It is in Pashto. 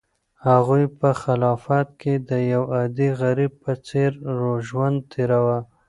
هغوی په خلافت کې د یو عادي غریب په څېر ژوند تېراوه.